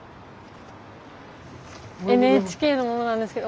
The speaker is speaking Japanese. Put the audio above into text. ＮＨＫの者なんですけど。